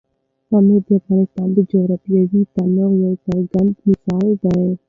پامیر د افغانستان د جغرافیوي تنوع یو څرګند مثال دی.